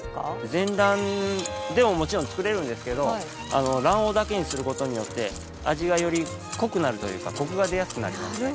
全卵でももちろん作れるんですけど卵黄だけにする事によって味がより濃くなるというかコクが出やすくなりますね。